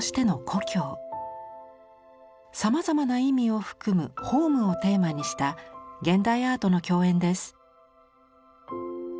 さまざまな意味を含む「ホーム」をテーマにした現代アートの競演です。